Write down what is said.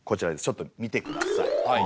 ちょっと見てください。